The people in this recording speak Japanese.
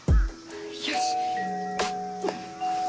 よし！